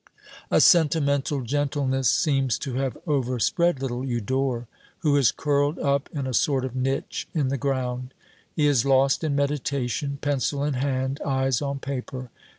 A sentimental gentleness seems to have overspread little Eudore, who is curled up in a sort of niche in the ground. He is lost in meditation, pencil in hand, eyes on paper.